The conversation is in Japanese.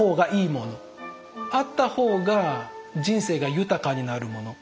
あった方が人生が豊かになるもの。